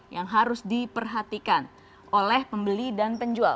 yang harus diperhatikan oleh pembeli dan penjual